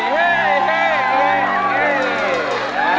ยิ่งมาก